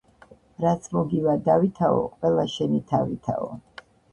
რაც მოგივა დავითაო ყველა შენი თავითაო